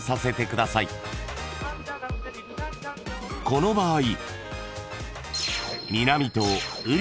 ［この場合］